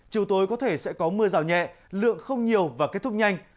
chiều tối có thể sẽ có mưa rào nhẹ lượng không nhiều và kết thúc nhanh